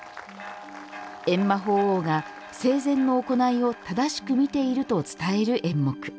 閻魔法王が、生前の行いを正しく見ていると伝える演目。